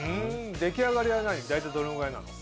出来上がりは大体どのぐらいなの？